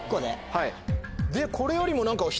はい。